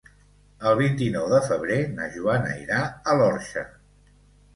El vint-i-nou de febrer na Joana irà a l'Orxa.